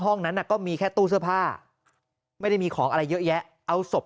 ห้องนั้นก็มีแค่ตู้เสื้อผ้าไม่ได้มีของอะไรเยอะแยะเอาศพ